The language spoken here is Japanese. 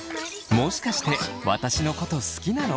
「もしかして私のこと好きなの？」。